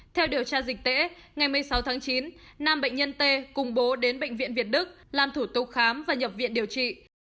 theo điều tra dịch tễ ngày một mươi sáu tháng chín nam bệnh nhân t cùng bố đến bệnh viện việt đức làm thủ tục khám và nhập viện điều trị